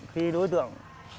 khi đối tượng